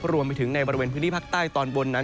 รวมไปถึงในบริเวณพื้นที่ภาคใต้ตอนบนนั้น